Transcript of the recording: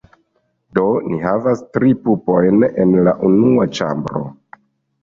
Do ni havas tri pupojn en la unua ĉambro.